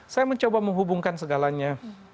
saya mencoba menghubungkan segalanya